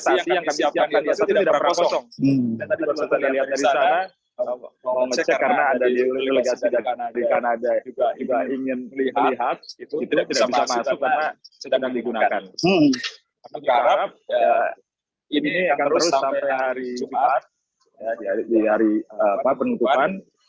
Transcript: saya harap ini akan terus sampai hari jumat di hari penutupan